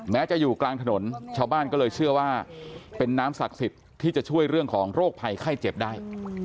แม้จะอยู่กลางถนนชาวบ้านก็เลยเชื่อว่าเป็นน้ำศักดิ์สิทธิ์ที่จะช่วยเรื่องของโรคภัยไข้เจ็บได้